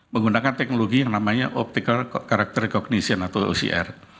menggunakan teknologi yang namanya optical corructure cognition atau ocr